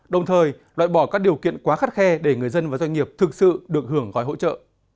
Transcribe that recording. đồng thời loại bỏ các điều kiện quá khắt khe để người dân và doanh nghiệp thực sự được hưởng gói hỗ trợ